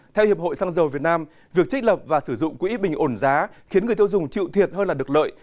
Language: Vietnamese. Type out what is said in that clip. theo hiệp hội xăng dầu việt nam việc trích lập và sử dụng quỹ bình ổn giá khiến người tiêu dùng chịu thiệt hơn là được lợi